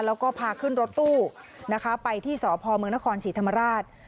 แล้วก็พาขึ้นรถตู้นะคะไปที่สพเมืองนครศรีธรรมราช